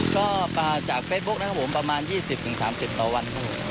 ก็ป่าจากเฟซบุ๊กนะครับผมประมาณ๒๐๓๐ต่อวัน